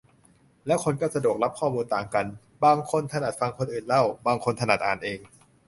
และคนก็สะดวกรับข้อมูลต่างกัน บางคนถนัดฟังคนอื่นเล่า บางคนถนัดอ่านเอง